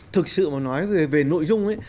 thực sự mà nói về nội dung ấy